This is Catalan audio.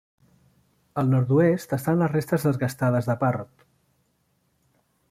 Al nord-oest estan les restes desgastades de Parrot.